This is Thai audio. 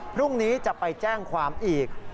พรุ่งนี้จะไปแจ้งความอีก